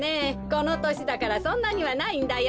このとしだからそんなにはないんだよ。